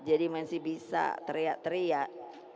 jadi masih bisa teriak teriak